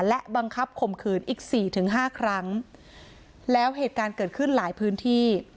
และบังคับข่มขืนอีกสี่ถึงห้าครั้งแล้วเหตุการณ์เกิดขึ้นหลายพื้นที่